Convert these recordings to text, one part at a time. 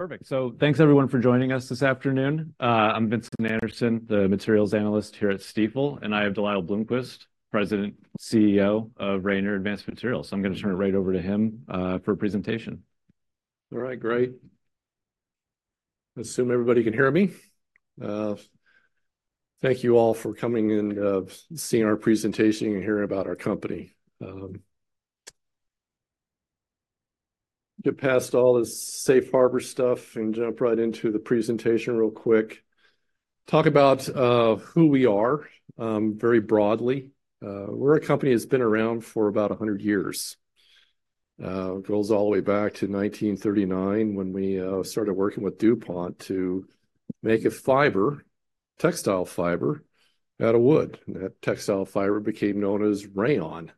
Perfect. So thanks everyone for joining us this afternoon. I'm Vincent Anderson, the materials analyst here at Stifel, and I have DeLyle Bloomquist, President and CEO of Rayonier Advanced Materials. So I'm going to turn it right over to him, for a presentation. All right, great. I assume everybody can hear me? Thank you all for coming in, seeing our presentation and hearing about our company. Get past all this Safe Harbor stuff and jump right into the presentation real quick. Talk about who we are, very broadly. We're a company that's been around for about 100 years. It goes all the way back to 1939, when we started working with DuPont to make a fiber, textile fiber out of wood. And that textile fiber became known as rayon,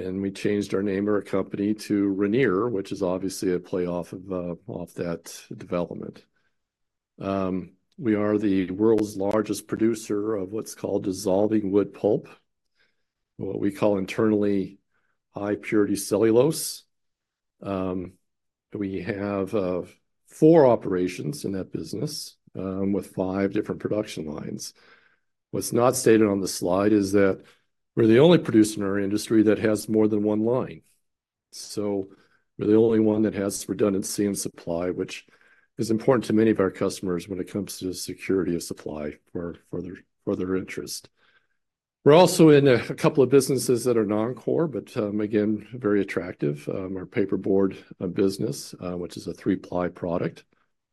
and we changed our name of our company to Rayonier, which is obviously a play off of off that development. We are the world's largest producer of what's called dissolving wood pulp, what we call internally high purity cellulose. We have four operations in that business with five different production lines. What's not stated on the slide is that we're the only producer in our industry that has more than one line. So we're the only one that has redundancy in supply, which is important to many of our customers when it comes to the security of supply for their interest. We're also in a couple of businesses that are non-core, but again, very attractive. Our paperboard business, which is a three-ply product,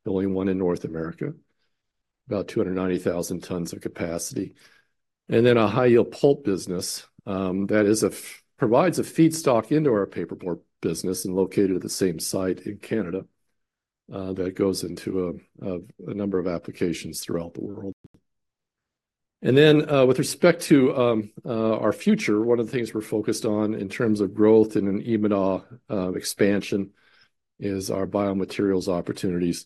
the only one in North America. About 290,000 tons of capacity. And then a high-yield pulp business that provides a feedstock into our paperboard business and located at the same site in Canada that goes into a number of applications throughout the world. And then, with respect to our future, one of the things we're focused on in terms of growth and an EBITDA expansion is our biomaterials opportunities,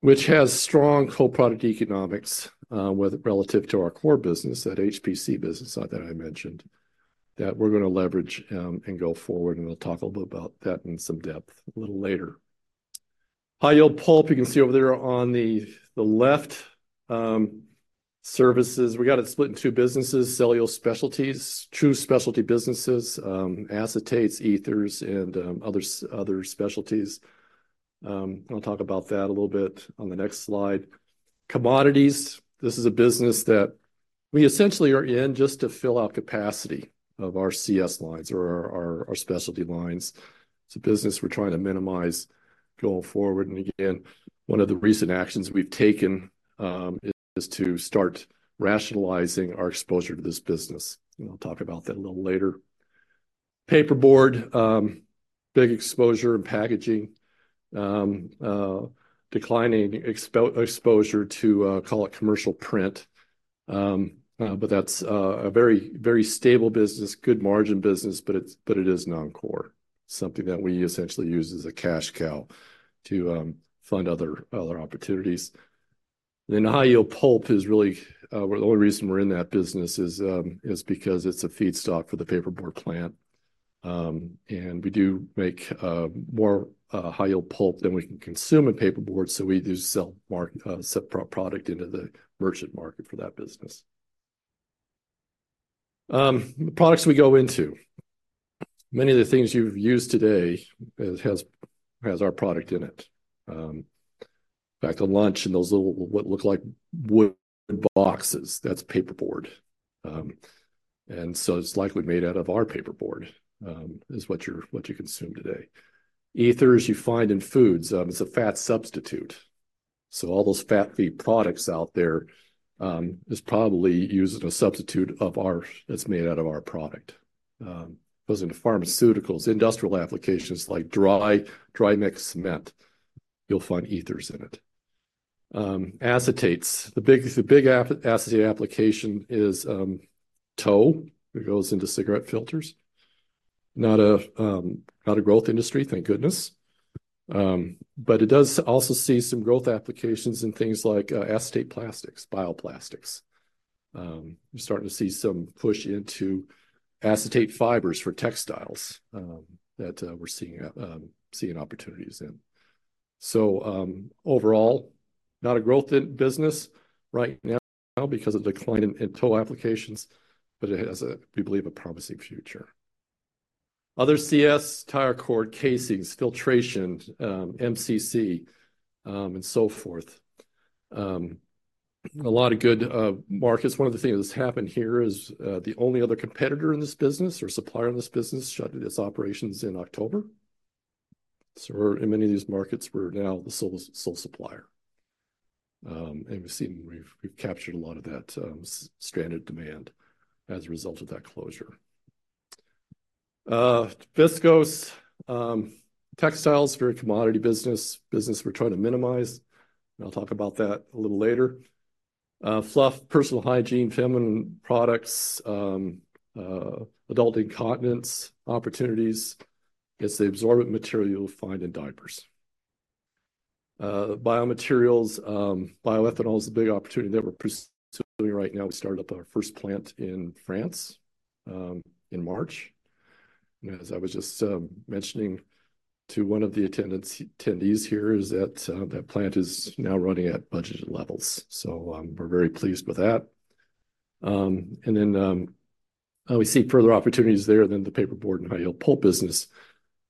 which has strong co-product economics with relative to our core business, that HPC business that I mentioned, that we're going to leverage and go forward, and we'll talk a bit about that in some depth a little later. High-yield pulp, you can see over there on the left, segments. We got it split in two businesses, cellulose specialties, two specialty businesses, acetates, ethers, and other specialties. I'll talk about that a little bit on the next slide. Commodities, this is a business that we essentially are in just to fill out capacity of our CS lines or our specialty lines. It's a business we're trying to minimize going forward. Again, one of the recent actions we've taken is to start rationalizing our exposure to this business, and I'll talk about that a little later. Paperboard, big exposure in packaging. Declining exposure to, call it, commercial print. But that's a very, very stable business, good margin business, but it is non-core, something that we essentially use as a cash cow to fund other opportunities. Then high-yield pulp is really the only reason we're in that business is because it's a feedstock for the paperboard plant. And we do make more high-yield pulp than we can consume in paperboard, so we do sell separate product into the merchant market for that business. The products we go into. Many of the things you've used today, it has our product in it. Back to lunch, and those little look like wood boxes, that's paperboard. And so it's likely made out of our paperboard, is what you consume today. Ethers you find in foods, it's a fat substitute. So all those fat-free products out there, is probably using a substitute of ours that's made out of our product. Goes into pharmaceuticals, industrial applications like dry mix cement. You'll find ethers in it. Acetates. The big acetate application is tow. It goes into cigarette filters. Not a growth industry, thank goodness. But it does also see some growth applications in things like acetate plastics, bioplastics. We're starting to see some push into acetate fibers for textiles, that we're seeing opportunities in. So, overall, not a growth in business right now because of decline in tow applications, but it has a, we believe, a promising future. Other CS, tire cord casings, filtration, MCC, and so forth. A lot of good markets. One of the things that's happened here is, the only other competitor in this business or supplier in this business, shut its operations in October. So in many of these markets, we're now the sole supplier. And we've captured a lot of that stranded demand as a result of that closure. Viscose textiles, very commodity business. Business we're trying to minimize, and I'll talk about that a little later. Fluff, personal hygiene, feminine products, adult incontinence opportunities. It's the absorbent material you'll find in diapers. Biomaterials, bioethanol is a big opportunity that we're pursuing right now. We started up our first plant in France in March. As I was just mentioning to one of the attendees here, that plant is now running at budgeted levels. So, we're very pleased with that. And then we see further opportunities there than the paperboard and high-yield pulp business.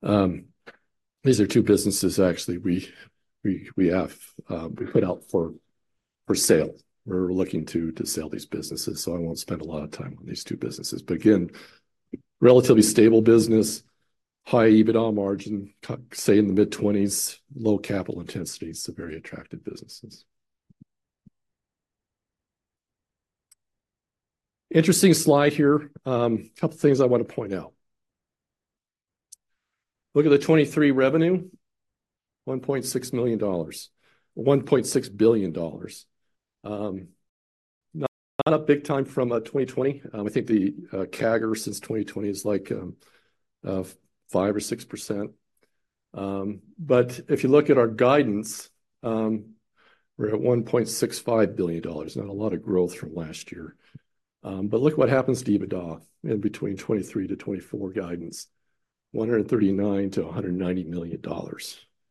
These are two businesses actually. We have put out for sale. We're looking to sell these businesses, so I won't spend a lot of time on these two businesses. But again, relatively stable business, high EBITDA margin, say, in the mid-twenties, low capital intensity, so very attractive businesses. Interesting slide here. A couple of things I want to point out. Look at the 2023 revenue, $1.6 million, $1.6 billion. Not, not a big time from 2020. I think the CAGR since 2020 is like 5% or 6%. But if you look at our guidance, we're at $1.65 billion. Not a lot of growth from last year. But look what happens to EBITDA in between 2023 to 2024 guidance, $139 million-$190 million.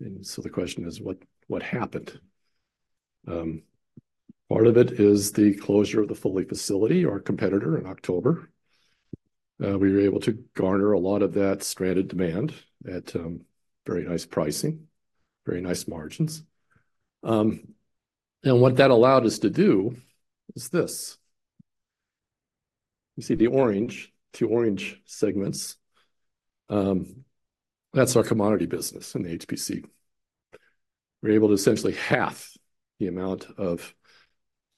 And so the question is: what, what happened? Part of it is the closure of the Foley facility, our competitor, in October. We were able to garner a lot of that stranded demand at very nice pricing, very nice margins. What that allowed us to do is this. You see the orange, the two orange segments, that's our commodity business in the HPC. We're able to essentially halve the amount of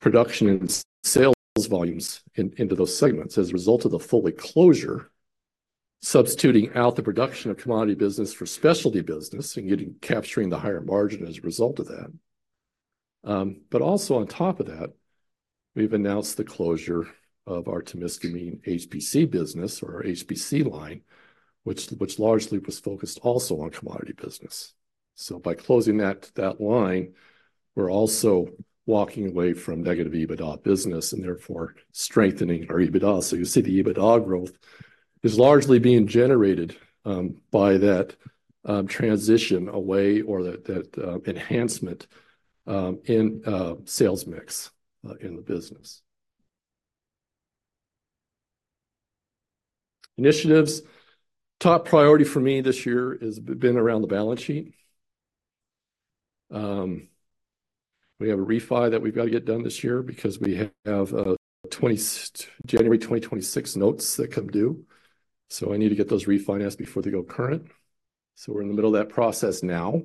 production and sales volumes into those segments as a result of the Foley closure, substituting out the production of commodity business for specialty business and capturing the higher margin as a result of that. But also on top of that, we've announced the closure of our Temiskaming HPC business or our HPC line, which largely was focused also on commodity business. So by closing that line, we're also walking away from negative EBITDA business and therefore strengthening our EBITDA. So you see, the EBITDA growth is largely being generated by that transition away or that enhancement in sales mix in the business. Initiatives. Top priority for me this year has been around the balance sheet. We have a refi that we've got to get done this year because we have, January 2026 notes that come due, so I need to get those refinanced before they go current. So we're in the middle of that process now.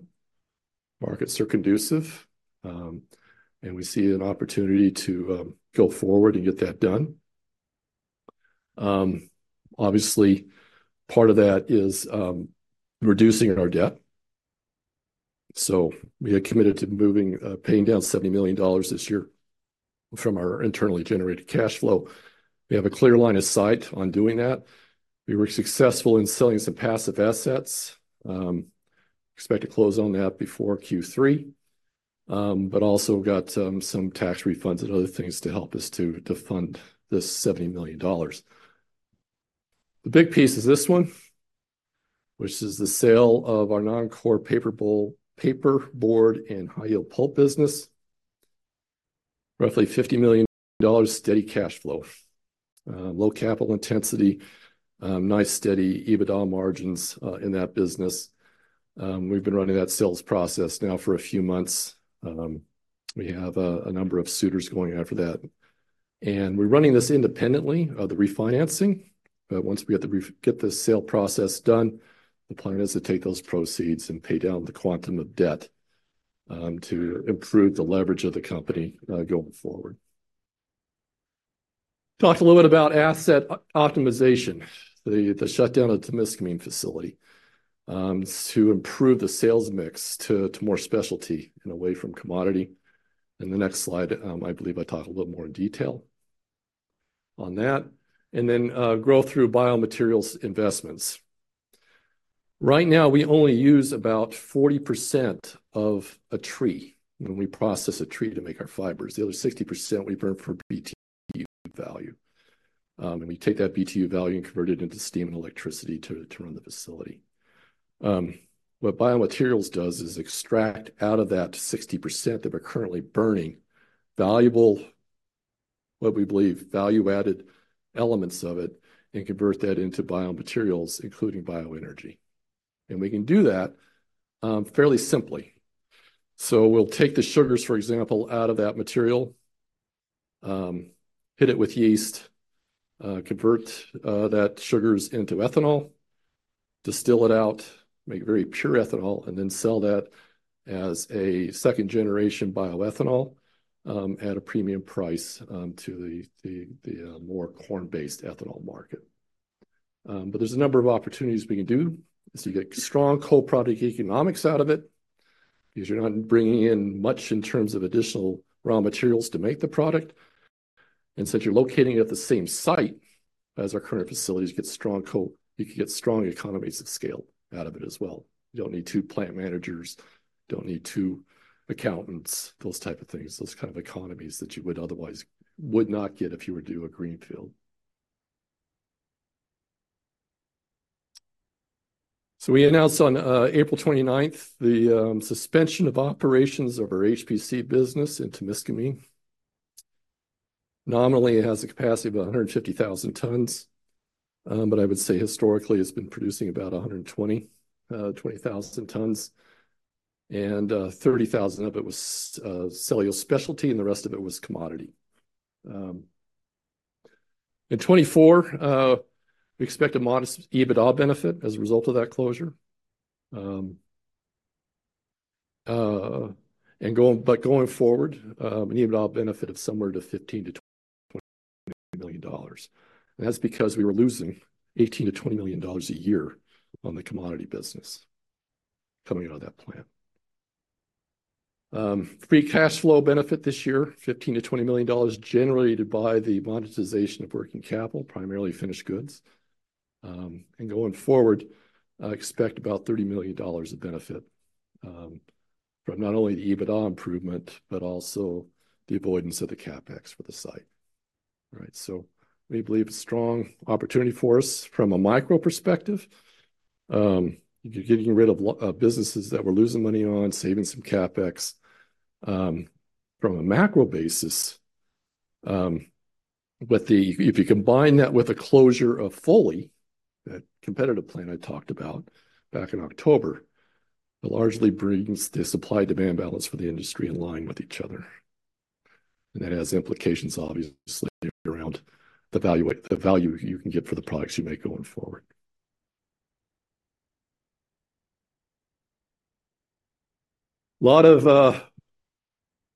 Markets are conducive, and we see an opportunity to, go forward and get that done. Obviously, part of that is, reducing on our debt. So we are committed to moving, paying down $70 million this year from our internally generated cash flow. We have a clear line of sight on doing that. We were successful in selling some passive assets. Expect to close on that before Q3, but also got some tax refunds and other things to help us to fund this $70 million. The big piece is this one, which is the sale of our non-core paperboard and high-yield pulp business. Roughly $50 million steady cash flow. Low capital intensity, nice, steady EBITDA margins, in that business. We've been running that sales process now for a few months. We have a number of suitors going after that, and we're running this independently of the refinancing. But once we get the sale process done, the plan is to take those proceeds and pay down the quantum of debt, to improve the leverage of the company, going forward. Talked a little bit about asset optimization, the shutdown of the Temiskaming facility, to improve the sales mix to more specialty and away from commodity. In the next slide, I believe I talk a little more in detail on that. And then, growth through biomaterials investments. Right now, we only use about 40% of a tree when we process a tree to make our fibers. The other 60%, we burn for BTU value, and we take that BTU value and convert it into steam and electricity to run the facility. What biomaterials does is extract out of that 60% that we're currently burning, valuable, what we believe value-added elements of it, and convert that into biomaterials, including bioenergy. And we can do that fairly simply. So we'll take the sugars, for example, out of that material, hit it with yeast, convert those sugars into ethanol, distill it out, make very pure ethanol, and then sell that as a second-generation bioethanol at a premium price to the more corn-based ethanol market. But there's a number of opportunities we can do. So you get strong co-product economics out of it because you're not bringing in much in terms of additional raw materials to make the product. And since you're locating at the same site as our current facilities, you can get strong economies of scale out of it as well. You don't need two plant managers, don't need two accountants, those type of things, those kind of economies that you would otherwise not get if you were to do a greenfield.... So we announced on April 29, the suspension of operations of our HPC business in Temiskaming. Nominally, it has a capacity of about 150,000 tons. But I would say historically, it's been producing about 120,000 tons, and 30,000 of it was cellulose specialty, and the rest of it was commodity. In 2024, we expect a modest EBITDA benefit as a result of that closure. But going forward, an EBITDA benefit of somewhere to $15 million-$20 million. That's because we were losing $18 million-$20 million a year on the commodity business coming out of that plant. Free cash flow benefit this year, $15 million-$20 million, generated by the monetization of working capital, primarily finished goods. And going forward, I expect about $30 million of benefit from not only the EBITDA improvement, but also the avoidance of the CapEx for the site. Right, so we believe a strong opportunity for us from a micro perspective. You're getting rid of businesses that we're losing money on, saving some CapEx. From a macro basis, with if you combine that with a closure of Foley, that competitive plant I talked about back in October, it largely brings the supply-demand balance for the industry in line with each other, and that has implications, obviously, around the value, the value you can get for the products you make going forward. A lot of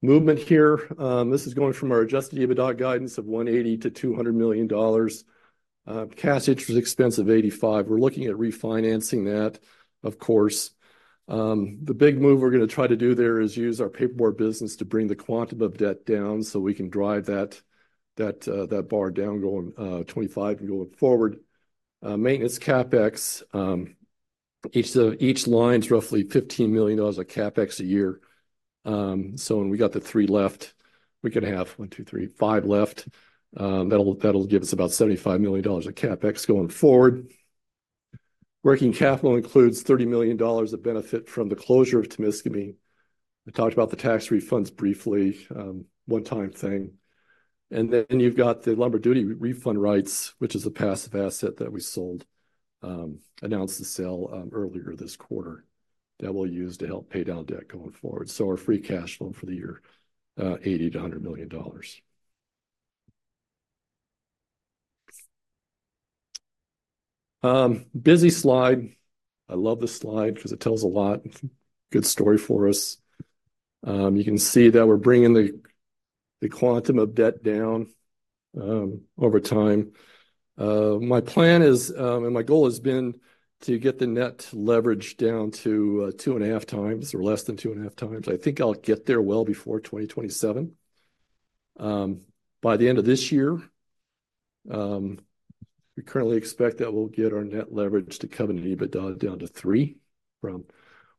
movement here. This is going from our adjusted EBITDA guidance of $180 million-$200 million. Cash interest expense of $85 million. We're looking at refinancing that, of course. The big move we're gonna try to do there is use our paperboard business to bring the quantum of debt down, so we can drive that bar down, going 2025 and going forward. Maintenance CapEx, each line's roughly $15 million of CapEx a year. So when we got the three left, we could have five left. That'll give us about $75 million of CapEx going forward. Working capital includes $30 million of benefit from the closure of Temiskaming. I talked about the tax refunds briefly, one-time thing. And then, you've got the lumber duty refund rights, which is a passive asset that we sold, announced the sale earlier this quarter, that we'll use to help pay down debt going forward. So our free cash flow for the year, $80 million-$100 million. Busy slide. I love this slide 'cause it tells a lot good story for us. You can see that we're bringing the quantum of debt down over time. My plan is, and my goal has been to get the net leverage down to 2.5x or less than 2.5x. I think I'll get there well before 2027. By the end of this year, we currently expect that we'll get our net leverage to covenant EBITDA down to 3x, from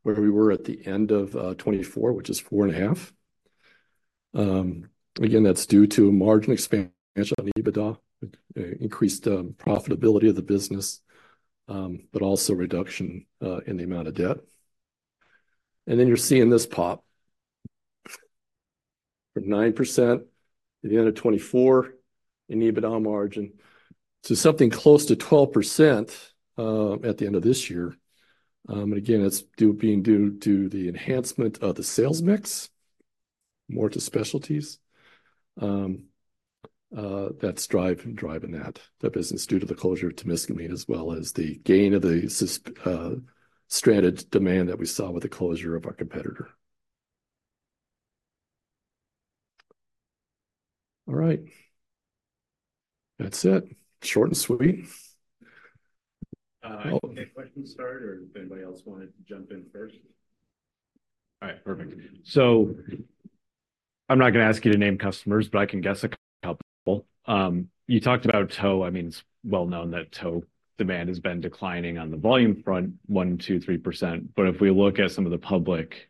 where we were at the end of 2024, which is 4.5x. Again, that's due to a margin expansion on EBITDA, increased profitability of the business, but also reduction in the amount of debt. And then, you're seeing this pop from 9% at the end of 2024 in EBITDA margin to something close to 12%, at the end of this year. And again, it's due to the enhancement of the sales mix, more to specialties. That's driving that business due to the closure of Temiskaming, as well as the gain of the stranded demand that we saw with the closure of our competitor. All right. That's it. Short and sweet. Okay, question start, or if anybody else wanted to jump in first? All right, perfect. So I'm not gonna ask you to name customers, but I can guess a couple. You talked about tow. I mean, it's well known that tow demand has been declining on the volume front, 1%-3%. But if we look at some of the public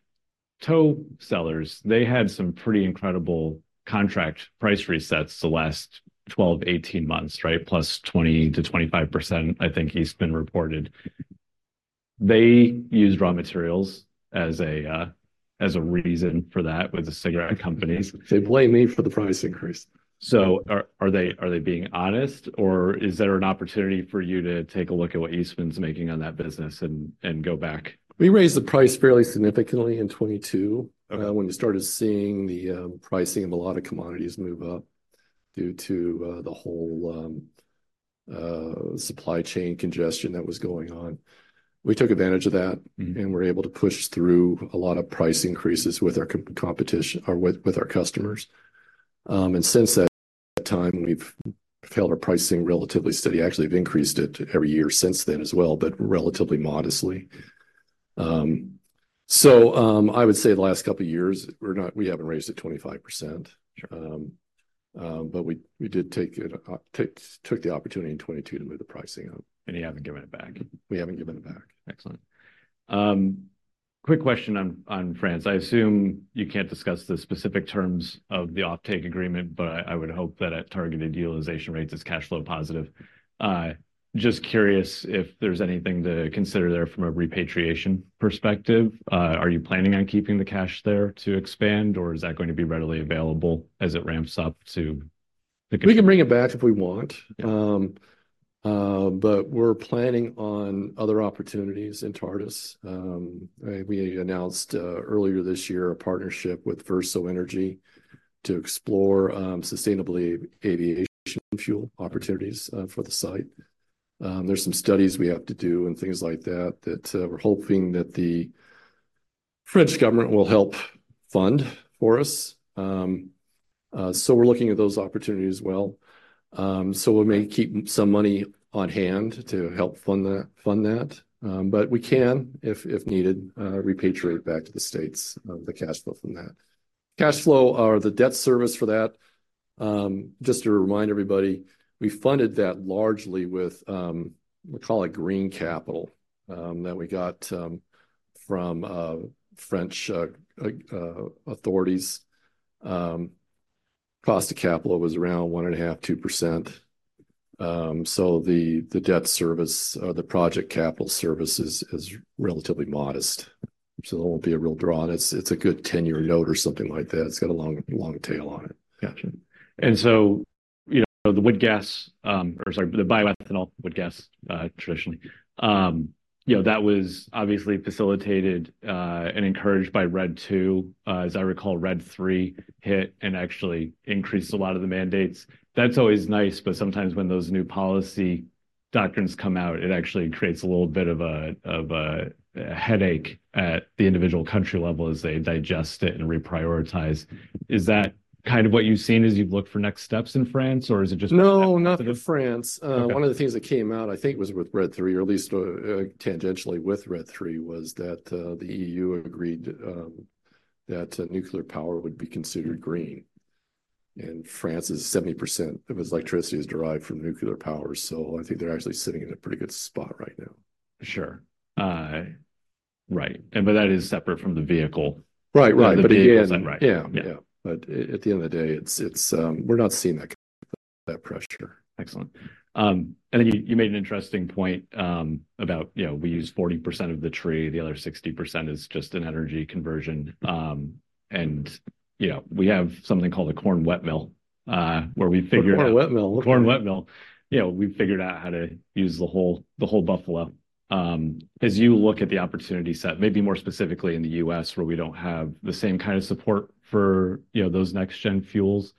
tow sellers, they had some pretty incredible contract price resets the last 128 months-18 months, right? +20%-25%, I think it's been reported. They used raw materials as a, as a reason for that with the cigarette companies. They blame me for the price increase. So are they being honest, or is there an opportunity for you to take a look at what Eastman's making on that business and go back? We raised the price fairly significantly in 2022. Okay. When you started seeing the pricing of a lot of commodities move up due to the whole supply chain congestion that was going on. We took advantage of that- Mm-hmm. and were able to push through a lot of price increases with our competition or with our customers. And since that time, we've held our pricing relatively steady. Actually, we've increased it every year since then as well, but relatively modestly. I would say the last couple of years, we haven't raised it 25%. Sure. But we did take the opportunity in 2022 to move the pricing up. You haven't given it back? We haven't given it back. Excellent. Quick question on France. I assume you can't discuss the specific terms of the offtake agreement, but I would hope that at targeted utilization rates, it's cash flow positive. Just curious if there's anything to consider there from a repatriation perspective. Are you planning on keeping the cash there to expand, or is that going to be readily available as it ramps up to the- We can bring it back if we want. But we're planning on other opportunities in Tartas. We announced earlier this year a partnership with Verso Energy to explore sustainable aviation fuel opportunities for the site. There's some studies we have to do and things like that that we're hoping that the French government will help fund for us. So we're looking at those opportunities as well. So we may keep some money on hand to help fund that. But we can, if needed, repatriate back to the States the cash flow from that. Cash flow or the debt service for that just to remind everybody, we funded that largely with what we call Green Capital that we got from French authorities. Cost of capital was around 1.5%-2%. So the debt service or the project capital service is relatively modest, so it won't be a real draw on... It's a good 10-year note or something like that. It's got a long, long tail on it. Yeah. And so, you know, the wood gas, or sorry, the bioethanol, wood gas, traditionally, you know, that was obviously facilitated, and encouraged by RED II. As I recall, RED III hit and actually increased a lot of the mandates. That's always nice, but sometimes when those new policy doctrines come out, it actually creates a little bit of a headache at the individual country level as they digest it and reprioritize. Is that kind of what you've seen as you've looked for next steps in France, or is it just- No, not in France. Okay. One of the things that came out, I think it was with RED III, or at least, tangentially with RED III, was that, the EU agreed, that, nuclear power would be considered green, and France is 70% of its electricity is derived from nuclear power. So I think they're actually sitting in a pretty good spot right now. Sure. Right. And but that is separate from the vehicle- Right. Right. The vehicle isn't, right? Yeah, yeah. But at the end of the day, it's, we're not seeing that pressure. Excellent. I think you made an interesting point about, you know, we use 40% of the tree. The other 60% is just an energy conversion. You know, we have something called a corn wet mill, where we figure- A corn wet mill? Corn wet mill. You know, we figured out how to use the whole, the whole buffalo. As you look at the opportunity set, maybe more specifically in the U.S., where we don't have the same kind of support for, you know, those next-gen fuels,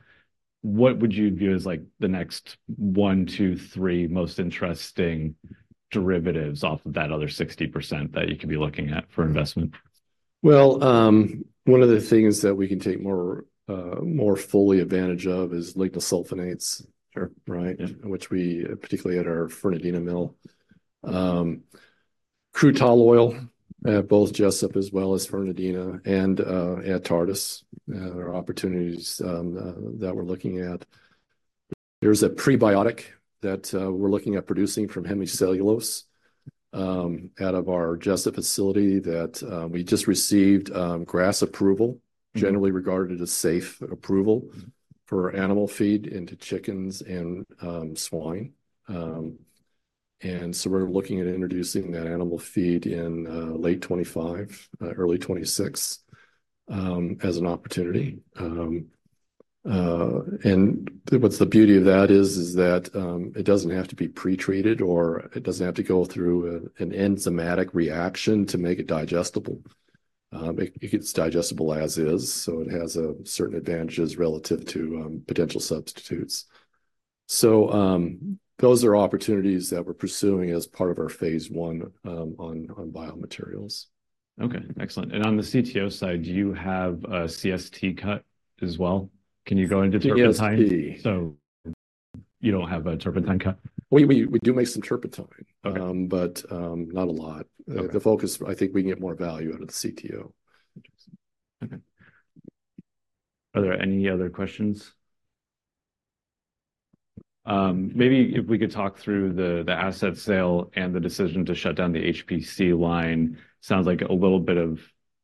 what would you view as, like, the next one, two, three most interesting derivatives off of that other 60% that you could be looking at for investment? Well, one of the things that we can take more fully advantage of is lignosulfonates. Sure. Right? Which we, particularly at our Fernandina mill. Crude tall oil, both Jesup as well as Fernandina and, at Tartas, are opportunities that we're looking at. There's a prebiotic that we're looking at producing from hemicellulose out of our Jesup facility that we just received GRAS approval- Mm-hmm... Generally Recognized as Safe approval for animal feed into chickens and swine. And so we're looking at introducing that animal feed in late 2025, early 2026, as an opportunity. And the... what's the beauty of that is that it doesn't have to be pretreated, or it doesn't have to go through an enzymatic reaction to make it digestible. It gets digestible as is, so it has certain advantages relative to potential substitutes. So, those are opportunities that we're pursuing as part of our phase one on biomaterials. Okay, excellent. On the CTO side, do you have a CST cut as well? Can you go into turpentine? CST. You don't have a turpentine cut? We do make some turpentine. Okay. But not a lot. Okay. The focus... I think we can get more value out of the CTO. Interesting. Okay. Are there any other questions? Maybe if we could talk through the, the asset sale and the decision to shut down the HPC line. Sounds like a little bit of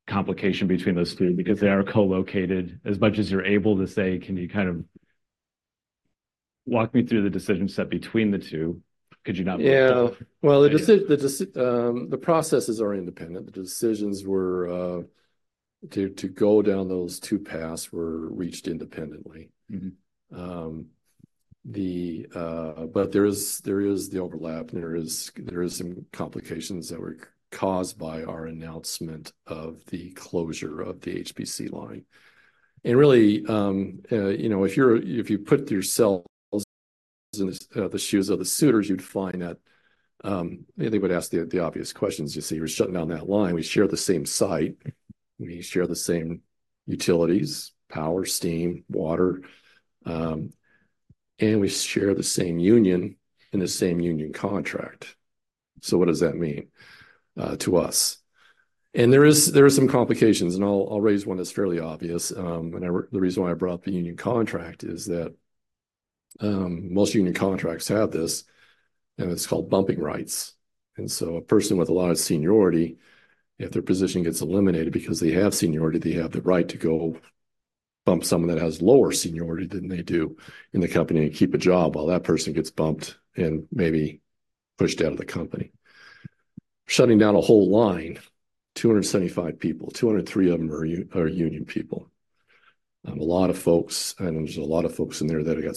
complication between those two because they are co-located. As much as you're able to say, can you kind of walk me through the decision set between the two? Could you not- Yeah. Well- Well, the processes are independent. The decisions were to go down those two paths were reached independently. Mm-hmm. But there is the overlap, and there is some complications that were caused by our announcement of the closure of the HPC line. And really, you know, if you put yourself in the shoes of the suitors, you'd find that they would ask the obvious questions. You say, "We're shutting down that line. We share the same site, we share the same utilities, power, steam, water, and we share the same union and the same union contract. So what does that mean to us?" And there are some complications, and I'll raise one that's fairly obvious. The reason why I brought up the union contract is that most union contracts have this, and it's called bumping rights. A person with a lot of seniority, if their position gets eliminated, because they have seniority, they have the right to go bump someone that has lower seniority than they do in the company and keep a job while that person gets bumped and maybe pushed out of the company. Shutting down a whole line, 275 people, 203 of them are union people. A lot of folks, and there's a lot of folks in there that have got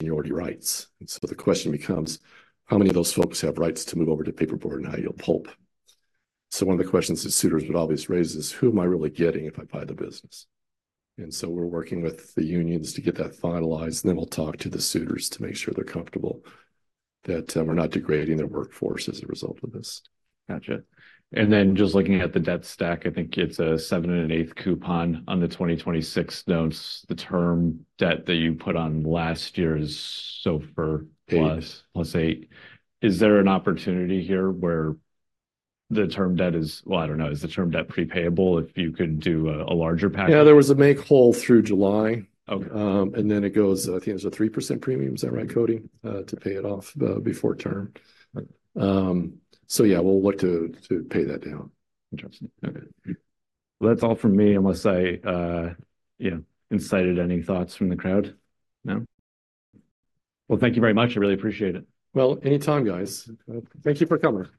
seniority rights. So the question becomes: How many of those folks have rights to move over to paperboard and high-yield pulp? So one of the questions that suitors would always raise is, "Who am I really getting if I buy the business?" And so we're working with the unions to get that finalized, and then we'll talk to the suitors to make sure they're comfortable that we're not degrading their workforce as a result of this. Gotcha. And then just looking at the debt stack, I think it's a 7 1/8 coupon on the 2026 notes. The term debt that you put on last year is SOFR plus- Plus. +8. Is there an opportunity here where the term debt is... Well, I don't know. Is the term debt pre-payable if you could do a larger package? Yeah, there was a make whole through July. Okay. And then it goes, I think it was a 3% premium, is that right, Cody? To pay it off before term. So yeah, we'll look to pay that down. Interesting. Okay. Well, that's all from me, unless I, you know, incited any thoughts from the crowd. No? Well, thank you very much. I really appreciate it. Well, anytime, guys. Thank you for coming.